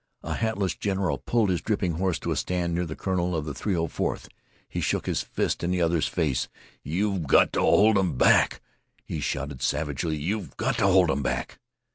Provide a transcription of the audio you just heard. A hatless general pulled his dripping horse to a stand near the colonel of the 304th. He shook his fist in the other's face. "You 've got to hold 'em back!" he shouted, savagely; "you 've got to hold 'em back!"